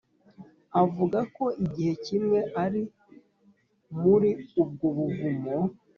avuga ko igihe kimwe ari muri ubwo buvumo